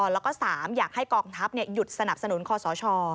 แล้วก็๓อยากให้กองทัพหยุดสนับสนุนคอสช